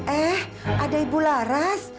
eh ada ibu laras